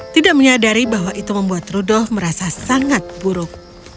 tidak menyadari bahwa itu membuat rudol merasa sangat buruk